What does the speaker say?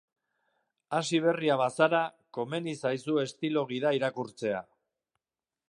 Hasiberria bazara, komeni zaizu estilo gida irakurtzea.